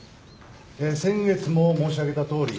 えー先月も申し上げたとおり。